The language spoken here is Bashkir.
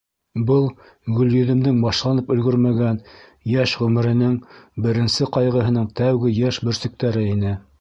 Был Гөлйөҙөмдөң башланып өлгөрмәгән йәш ғүмеренең беренсе ҡайғыһының тәүге йәш бөрсөктәре ине.